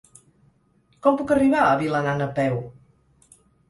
Com puc arribar a Vilanant a peu?